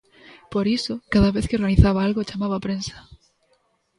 Por iso, cada vez que organizaba algo, chamaba a prensa.